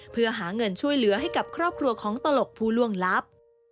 เพื่อหาเงินช่วยเหลือให้กับครอบครัวของตลกผู้ล่วงลับ